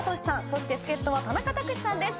そして助っ人は田中卓志さんです。